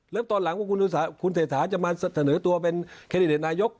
แล้วตอนหลังว่าคุณเศรษฐาจะมาเสนอตัวเป็นแคนดิเดตนายก